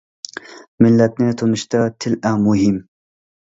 مىللەتنى تونۇشتا تىل ئەڭ مۇھىم.